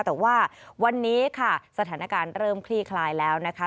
แต่ว่าวันนี้ค่ะสถานการณ์เริ่มคลี่คลายแล้วนะคะ